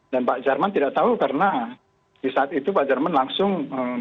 dan pak jaharman tidak tahu karena di saat itu pak jaharman langsung menunjukkan